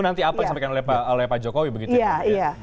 nanti apa yang disampaikan oleh pak jokowi begitu ya